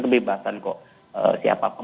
kebebasan kok siapapun